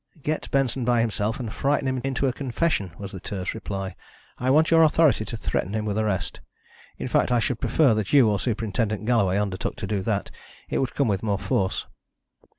"Get Benson by himself and frighten him into a confession," was the terse reply. "I want your authority to threaten him with arrest. In fact, I should prefer that you or Superintendent Galloway undertook to do that. It would come with more force."